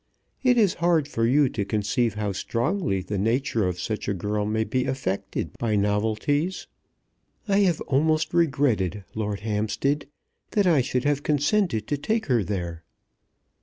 It is hard for you to conceive how strongly the nature of such a girl may be effected by novelties. I have almost regretted, Lord Hampstead, that I should have consented to take her there."